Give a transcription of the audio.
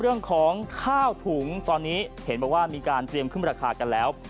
เรื่องของข้าวถุงตอนนี้เห็นบอกว่ามีการเตรียมขึ้นราคากันแล้ว